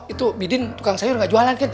itu bidin tukang sayur gak jualan kan